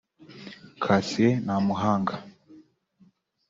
Cassien Ntamuhanga